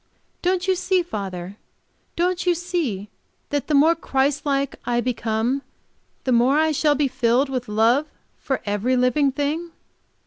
Don't you see, father? Don't you see that the more Christ like I become the more I shall be filled with love for every living thing?"